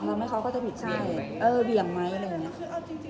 ทำให้เขาก็จะผิดใช่เออเบี่ยงไหมอะไรอย่างนี้